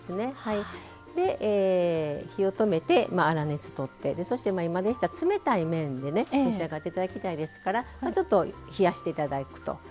火を止めて粗熱取ってそして今でしたら冷たい麺でね召し上がって頂きたいですからちょっと冷やして頂くといいですよね。